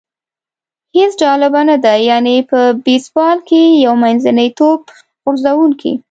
هېڅ جالبه نه ده، یعنې په بېسبال کې یو منځنی توپ غورځوونکی.